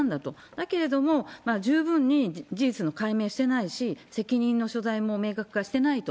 だけれども、十分に事実を解明してないし、責任の所在も明確化してないと。